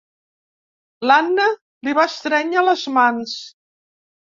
L'Anne li va estrènyer les mans.